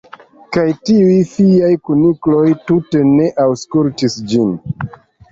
Kaj tiuj fiaj kunikloj tute ne aŭskultis ĝin!